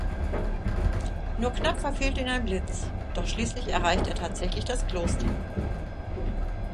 Nur knapp verfehlt ihn ein Blitz, doch schließlich erreicht er tatsächlich das Kloster.